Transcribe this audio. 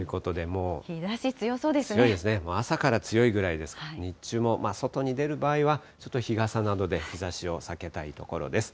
もう朝から強いぐらいですから、日中も外に出る場合は、日傘などで日ざしを避けたいところです。